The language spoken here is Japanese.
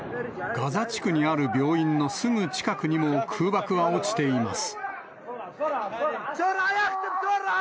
ガザ地区にある病院のすぐ近くにも空爆は落ちています。